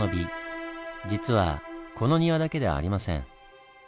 実はこの庭だけではありません。